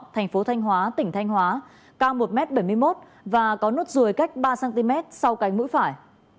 thành phố thanh hóa tỉnh thanh hóa cao một m bảy mươi một và có nốt ruồi cách ba cm sau cánh mũi phải